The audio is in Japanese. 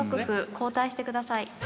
交代してください。